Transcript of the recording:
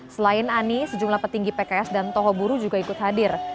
selain anies sejumlah petinggi pks dan tokoh buruh juga ikut hadir